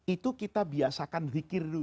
itu kita biasakan zikir dulu